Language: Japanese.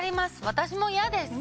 私も嫌です！